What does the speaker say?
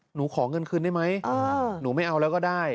หนูขอเงินคืนได้ไหมหนูไม่เอาแล้วก็ได้